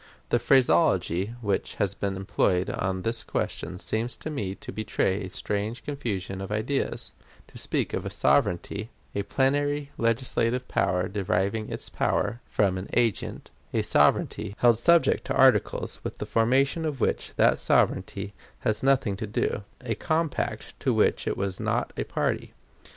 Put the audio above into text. The phraseology which has been employed on this question seems to me to betray a strange confusion of ideas to speak of a sovereignty, a plenary legislative power deriving its power from an agent; a sovereignty, held subject to articles with the formation of which that sovereignty had nothing to do; a compact to which it was not a party!